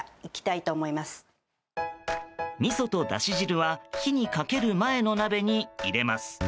みそとだし汁は火にかける前の鍋に入れます。